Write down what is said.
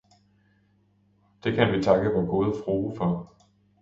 Det kan vi takke vor gode frue for.